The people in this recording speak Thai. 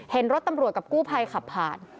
เห็นรถตำรวจกับกู้ภัยขับผ่าน